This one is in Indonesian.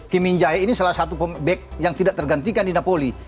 kim min jae ini salah satu pembek yang tidak tergantikan di napoli